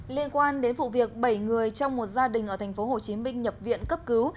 liên quan đến vụ việc bảy người trong một gia đình ở tp hcm nhập viện cấp cứu